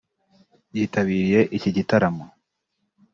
yitabiriye iki gitaramo